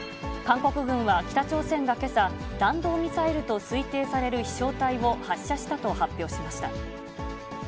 韓国軍は北朝鮮がけさ、弾道ミサイルと推定される飛しょう体を発射したと発表しました。